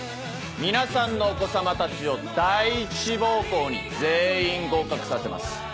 皆さんのお子様たちを第一志望校に全員合格させます。